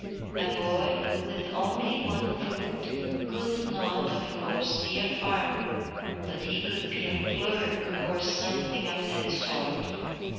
A boy with only one foot could not, of course, be a farmer, but he could be a clerk or something of that sort.